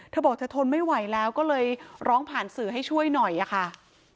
เธอบอกเธอทนไม่ไหวแล้วก็เลยร้องผ่านสื่อให้ช่วยหน่อยอะค่ะ